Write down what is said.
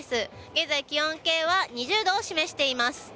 現在、気温計は２０度を示しています。